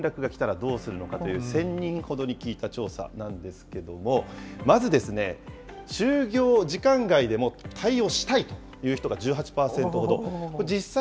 勤務時間外に緊急性のない業務連絡がきたらどうするのかという、１０００人ほどに聞いた調査なんですけれども、まず、就業時間外でも対応したいという人が１８％ほど。